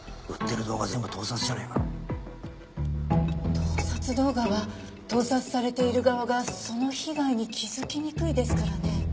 盗撮動画は盗撮されている側がその被害に気づきにくいですからね。